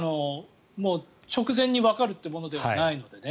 直前にわかるというものではないのでね。